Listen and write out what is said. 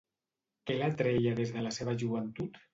Què l'atreia des de la seva joventut?